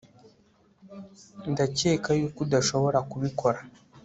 ndakeka yuko udashobora kubikora